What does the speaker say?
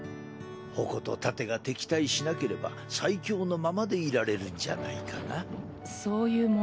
矛と盾が敵対しなければ最強のままでいられるんじゃないかな？